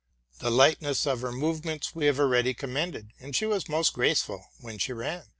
The lightness of her movements we have already commended, and she was most graceful when she ran.